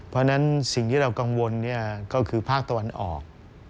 เพราะฉะนั้นสิ่งที่เรากังวลก็คือภาคตะวันออก